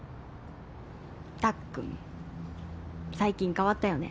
たっくんも最近変わったよね。